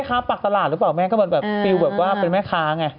เมฆฮาปากตลาดหรือเปล่าแม่งก็เป็นแม่ค้าไง